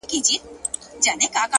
هره تجربه د شخصیت نوی اړخ جوړوي!